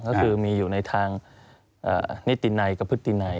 ก็คือมีอยู่ในทางนิตินัยกับพฤตินัย